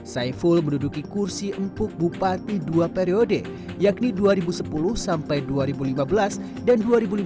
saiful menduduki kursi empuk bupati dua periode yakni dua ribu sepuluh dua ribu lima belas dan dua ribu lima belas dua ribu dua puluh